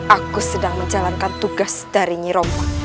aku sedang menjalankan tugas dari niroma